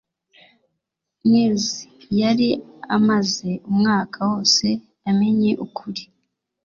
Nils yari amaze umwaka wose amenye ukuri